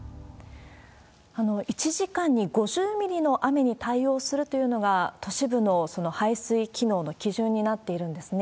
１時間に５０ミリの雨に対応するというのが、都市部の排水機能の基準になっているんですね。